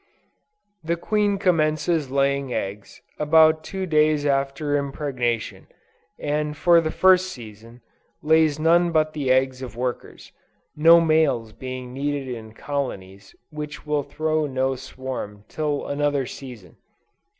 The queen commences laying eggs, about two days after impregnation, and for the first season, lays none but the eggs of workers; no males being needed in colonies which will throw no swarm till another season.